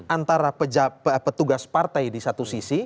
antara petugas partai di satu sisi